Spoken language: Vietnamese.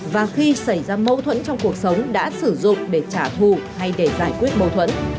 và khi xảy ra mâu thuẫn trong cuộc sống đã sử dụng để trả thù hay để giải quyết mâu thuẫn